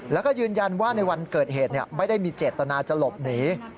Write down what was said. แล้วก็ยืนยันว่าในวันเกิดเหตุไม่ได้มีเจตนาจะหลบหนี